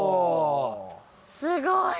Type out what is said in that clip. すごい。